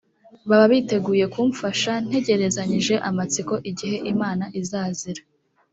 baba biteguye kumfasha ntegerezanyije amatsiko igihe imana izazira